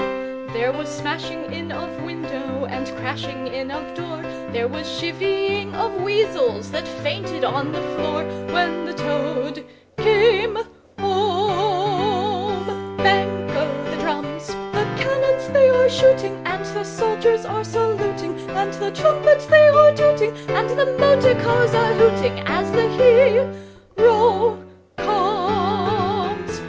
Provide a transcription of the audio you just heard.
There was smashing in of window and crashing in of door, There was chivvying of weasels that fainted on the floor, When the Toad—came—home! Bang! go the drums! The trumpeters are tooting and the soldiers are saluting, And the cannon they are shooting and the motor cars are hooting, As the—Hero—comes!